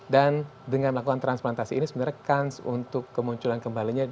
dan dengan melakukan transplantasi ini sebenarnya kans untuk kemunculan kembalinya